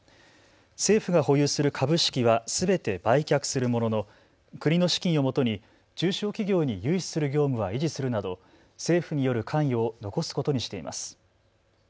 政府が保有する株式はすべて売却するものの国の資金をもとに中小企業に融資する業務は維持するなど政府による関与を残すことにしています。